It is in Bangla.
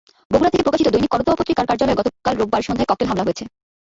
বগুড়া থেকে প্রকাশিত দৈনিক করতোয়া পত্রিকার কার্যালয়ে গতকাল রোববার সন্ধ্যায় ককটেল হামলা হয়েছে।